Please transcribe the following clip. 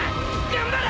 頑張れ！